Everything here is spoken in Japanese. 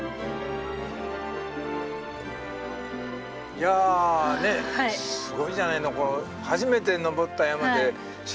いやねえすごいじゃないの。